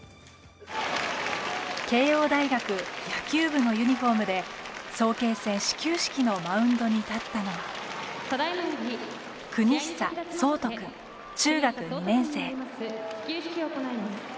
慶應大学野球部のユニホームで早慶戦始球式のマウンドに立ったのは國久想仁君、中学２年生。